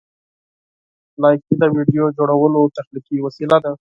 لایکي د ویډیو جوړولو تخلیقي وسیله ده.